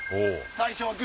最初はグ！